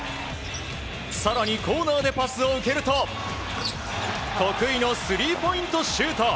更にコーナーでパスを受けると得意のスリーポイントシュート！